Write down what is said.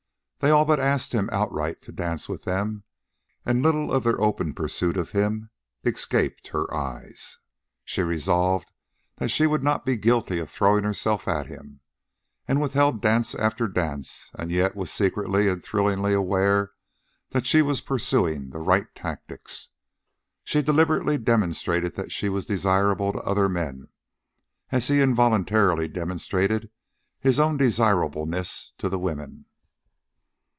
They all but asked him outright to dance with them, and little of their open pursuit of him escaped her eyes. She resolved that she would not be guilty of throwing herself at him, and withheld dance after dance, and yet was secretly and thrillingly aware that she was pursuing the right tactics. She deliberately demonstrated that she was desirable to other men, as he involuntarily demonstrated his own desirableness to the women.